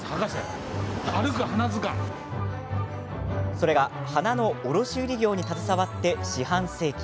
それが、花の卸売り業に携わって四半世紀。